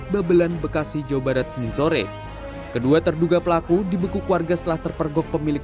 babelan bekasi jawa barat senin sore kedua terduga pelaku dibekuk warga setelah terpergok pemilik